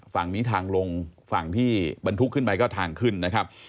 ฝั่งนี้ทางลงฝั่งที่บรรทุกขึ้นไปก็ทางขึ้นนะครับ